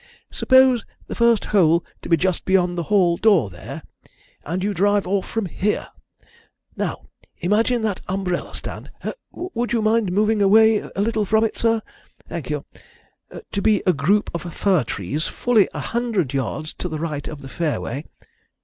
Suppose the first hole to be just beyond the hall door there, and you drive off from here. Now, imagine that umbrella stand would you mind moving away a little from it, sir? Thank you to be a group of fir trees fully a hundred yards to the right of the fairway.